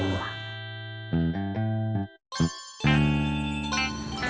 omah harus berhenti